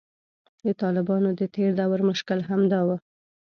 د طالبانو د تیر دور مشکل همدا و